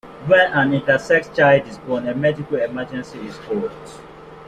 When an intersex child is first born, a "medical emergency" is called.